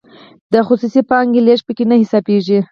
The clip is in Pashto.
د خصوصي پانګې لیږد پکې نه حسابیږي.